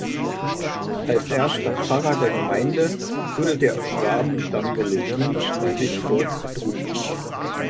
Als erster Pfarrer der Gemeinde wurde der aus Schwaben stammende Lewin Friedrich Kurz berufen.